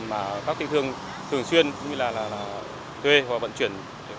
mà các tiểu thương thường xuyên cũng như là thuê hoặc vận chuyển